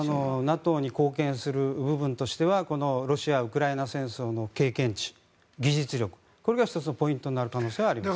ＮＡＴＯに貢献する部分としてはロシア、ウクライナ戦争の経験値技術力が１つのポイントになる可能性がありますね。